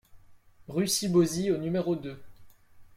Rue Sybosy au numéro deux